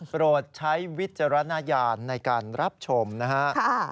โปรดใช้วิจารณญาณในการรับชมนะฮะ